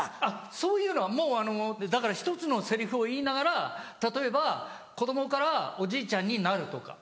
そういうのはもう１つのセリフを言いながら例えば子供からおじいちゃんになるとか。